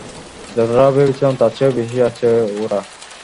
যতটা ভেবেছিলাম তার চেয়েও বেশি আছে ওরা।